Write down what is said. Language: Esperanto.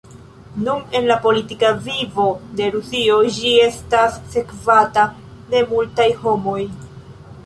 Nun en la politika vivo de Rusio ĝi estas sekvata de multaj homoj.